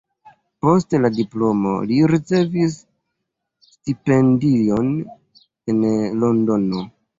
Post la diplomo li ricevis stipendion en Londono.